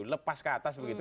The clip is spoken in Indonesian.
lepas ke atas begitu